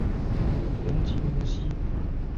原籍无锡。